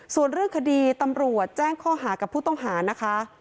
ส่วนเรื่องคดีตำรวจแจ้งข้อหากับผู้ต้องหานะคะ